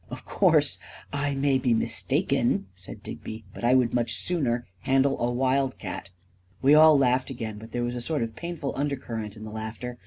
41 Of course, I may be mistaken," said Digby; " but I would much sooner handle a wild cat 1 " We all laughed again, but there was a sort of pain ful undercurrent in the laughter.